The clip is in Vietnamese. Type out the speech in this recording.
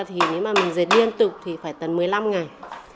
thì nếu mà mình dệt liên tục thì phải cần một mươi năm ngày